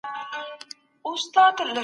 دلته پخوانیو پاچاهانو ډېر ښارونه جوړ کړي وو.